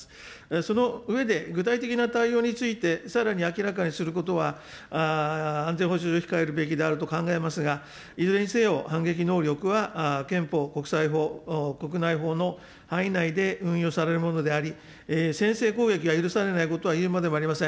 その上で、具体的な対応について、さらに明らかにすることは、安全保障上、控えるべきであると考えますが、いずれにせよ、反撃能力は憲法、国際法、国内法の範囲内で運用されるものであり、先制攻撃は許されないことは言うまでもありません。